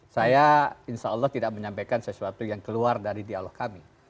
saya insya allah tidak menyampaikan sesuatu yang keluar dari dialog kami